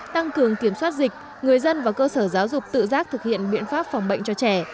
tăng cường kiểm soát dịch người dân và cơ sở giáo dục tự giác thực hiện biện pháp phòng bệnh cho trẻ